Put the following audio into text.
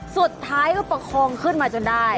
สุดท้ายก็ประคองขึ้นมาจนได้